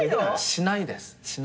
しないです。